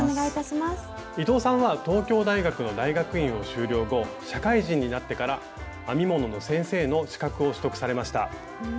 伊藤さんは東京大学の大学院を修了後社会人になってから編み物の先生の資格を取得されました。